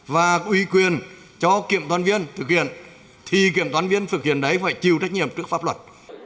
và ủy quyền cho kiểm toán viên thực hiện thì kiểm toán viên thực hiện đấy phải chịu trách nhiệm trước pháp luật